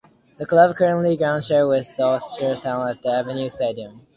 The club currently groundshare with Dorchester Town at The Avenue Stadium.